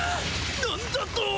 なんだと？